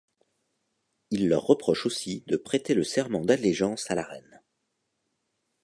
Il leur reproche aussi de prêter le serment d'allégeance à la Reine.